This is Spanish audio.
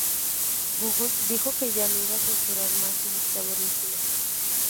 Google dijo que ya no iba a censurar más su buscador en China.